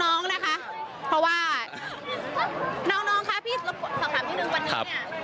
น้องค่ะพี่สอบถามที่หนึ่งวันนี้เนี่ยตอนนั้นตั้งแต่ตอนไหนคะ